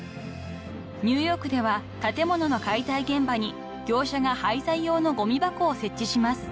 ［ニューヨークでは建物の解体現場に業者が廃材用のごみ箱を設置します］